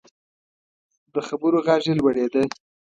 د خبرو غږ یې لوړیده.